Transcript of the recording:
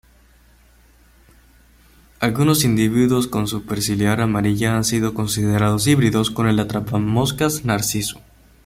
Algunos individuos con superciliar amarilla han sido considerados híbridos con el atrapamoscas narciso.